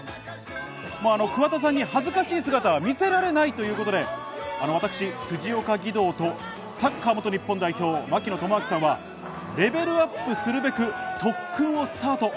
もう桑田さんに恥ずかしい姿は見せられないということで、私、辻岡義堂と、サッカー元日本代表・槙野智章さんはレベルアップするべく特訓をスタート。